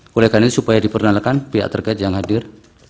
bolehkah ini diperkenalkan pihak terkait yang hadir